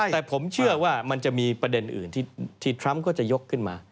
แต่ผมเชื่อว่ามันจะมีประเด็นอื่นที่ทรัมป์ก็จะยกขึ้นมา